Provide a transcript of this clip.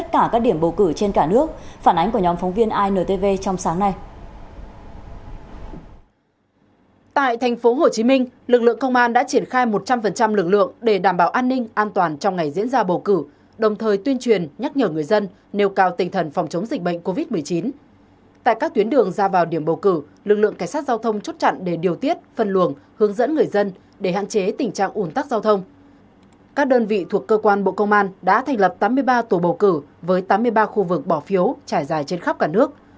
các đơn vị thuộc cơ quan bộ công an đã thành lập tám mươi ba tổ bầu cử với tám mươi ba khu vực bỏ phiếu trải dài trên khắp cả nước